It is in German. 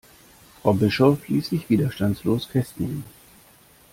Frau Bischof ließ sich widerstandslos festnehmen.